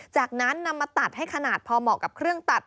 จากนั้นนำมาตัดให้ขนาดพอเหมาะกับเครื่องตัด